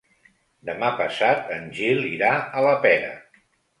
Demà passat en Gil irà a la Pera.